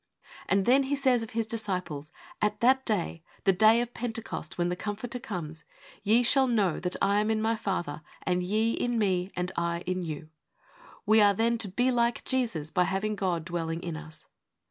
And then He says of His disciples, 'At that day' (the day of Pentecost, when the Comforter comes) ' ye shall know that I am in My Father, and ye in Me, and I in you ' (John xiv. 20). We are, then, to be like Jesus by having God dwelling in us.